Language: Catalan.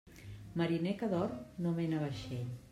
Mariner que dorm no mena vaixell.